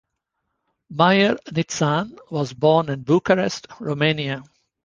Meir Nitzan was born in Bucharest, Romania.